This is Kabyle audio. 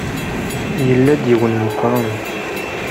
Yella d yiwen meqqren.